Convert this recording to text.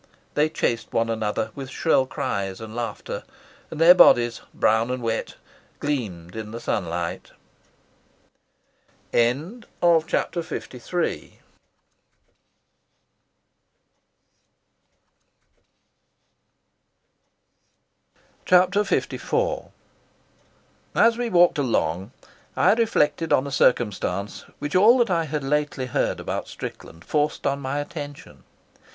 They chased one another with shrill cries and laughter, and their bodies, brown and wet, gleamed in the sunlight. Chapter LIV As we walked along I reflected on a circumstance which all that I had lately heard about Strickland forced on my attention.